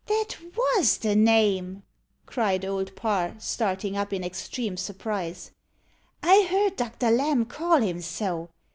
"That was the name," cried Old Parr, starting up in extreme surprise. "I heard Doctor Lamb call him so.